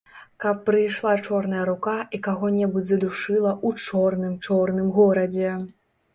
Каб прыйшла чорная рука і каго-небудзь задушыла ў чорным-чорным горадзе.